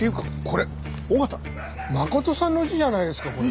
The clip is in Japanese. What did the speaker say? これ「緒方」真琴さんの家じゃないですかこれ。